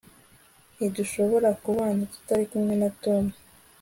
ntidushobora kubana tutari kumwe na tom